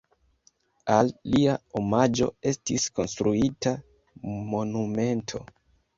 Al lia omaĝo estis konstruita monumento.